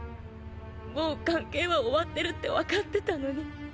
もう関係は終わってるって分かってたのに。